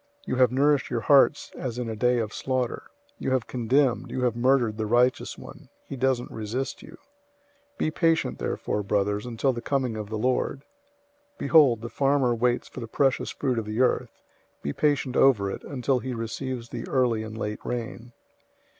You have nourished your hearts as in a day of slaughter. 005:006 You have condemned, you have murdered the righteous one. He doesn't resist you. 005:007 Be patient therefore, brothers, until the coming of the Lord. Behold, the farmer waits for the precious fruit of the earth, being patient over it, until it receives the early and late rain.